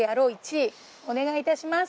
位お願いいたします